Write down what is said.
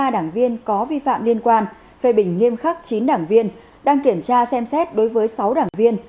một mươi đảng viên có vi phạm liên quan phê bình nghiêm khắc chín đảng viên đang kiểm tra xem xét đối với sáu đảng viên